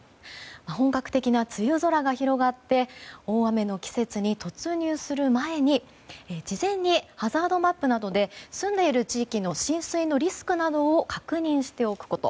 本格的な梅雨空が広がって大雨の季節に突入する前に事前にハザードマップなどで住んでいる地域の浸水のリスクなどを確認しておくこと。